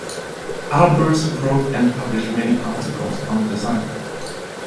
Albers wrote and published many articles on design.